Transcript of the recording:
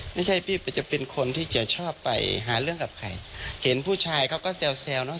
ไม่ใช่พี่จะเป็นคนที่จะชอบไปหาเรื่องกับใครเห็นผู้ชายเขาก็แซวแซวเนอ